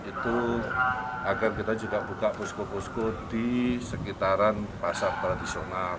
itu agar kita juga buka posko posko di sekitaran pasar tradisional